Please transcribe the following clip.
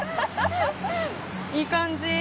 いい感じ。